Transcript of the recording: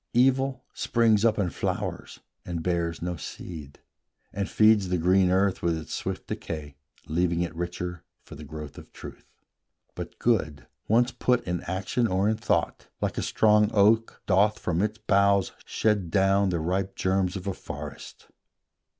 Evil springs up, and flowers, and bears no seed, And feeds the green earth with its swift decay, Leaving it richer for the growth of truth; But Good, once put in action or in thought, Like a strong oak, doth from its boughs shed down The ripe germs of a forest.